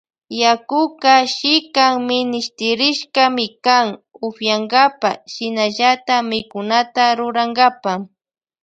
Yakuka shikan minishtirishkami kan upiyankapa shinallata mikunata rurankapa.